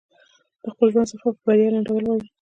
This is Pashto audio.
د خپل ژوند سفر په بريا لنډول غواړي.